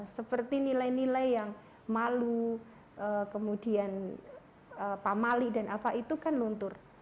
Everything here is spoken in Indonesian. seperti nilai nilai yang malu kemudian pamali dan apa itu kan luntur